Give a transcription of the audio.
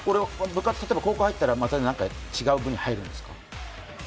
部活、例えばまた高校入ったら違う部に入るんですか？